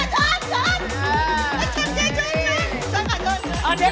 เชิญกับเชิญ